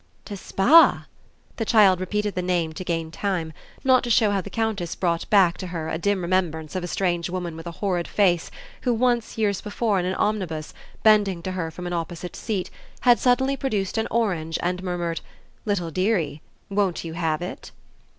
"To Spa?" The child repeated the name to gain time, not to show how the Countess brought back to her a dim remembrance of a strange woman with a horrid face who once, years before, in an omnibus, bending to her from an opposite seat, had suddenly produced an orange and murmured "Little dearie, won't you have it?"